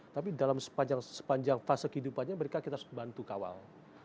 tapi dalam sepanjang fase kehidupannya mereka kita harus bantu kawal